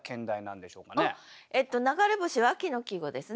「流れ星」は秋の季語ですね。